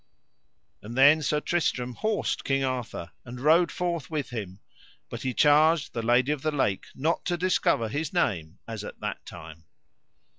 And then Sir Tristram horsed King Arthur and rode forth with him, but he charged the Lady of the Lake not to discover his name as at that time.